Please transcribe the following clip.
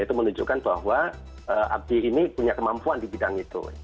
itu menunjukkan bahwa abdi ini punya kemampuan di bidang itu